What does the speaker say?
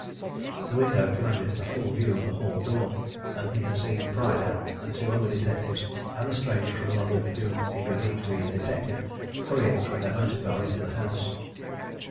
The window commanded a full view of the hall door and he had seen Prydale, and two other detectives, and the stranger from London whom he believed to be a detective, hurrying from their motorcar into the house.